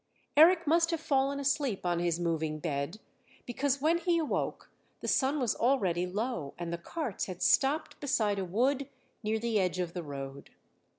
Eric must have fallen asleep on his moving bed, because when he awoke the sun was already low and the carts had stopped beside a wood near the edge of the road.